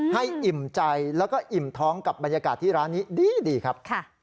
อิ่มใจแล้วก็อิ่มท้องกับบรรยากาศที่ร้านนี้ดีครับ